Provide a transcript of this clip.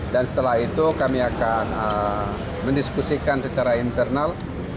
dan setelah itu kami akan mendiskusikan secara internal